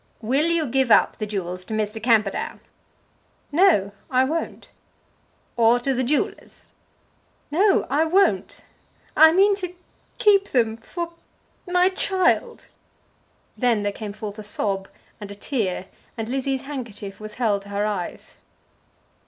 "Will you give up the jewels to Mr. Camperdown?" "No I won't." "Or to the jewellers?" "No; I won't. I mean to keep them for my child." Then there came forth a sob, and a tear, and Lizzie's handkerchief was held to her eyes.